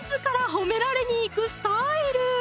褒められにいくスタイル